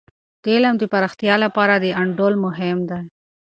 د علم د پراختیا لپاره د انډول مهم دی.